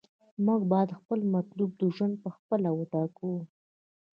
موږ باید خپل مطلوب ژوند په خپله وټاکو.